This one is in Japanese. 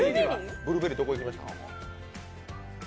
ブルーベリーどこ行きました？